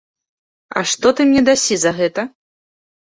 А што ты мне дасі за гэта?